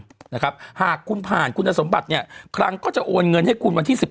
ภาพคันธ์นะครับหากคุมผ่านคุณสมบัติคลังก็จะโอนเงินให้คุณวันที่๑๘